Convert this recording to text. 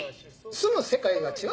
住む世界が違うと。